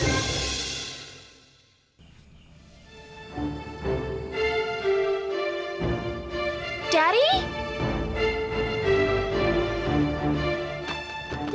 tapi kita beruntung juga karena banyak masalah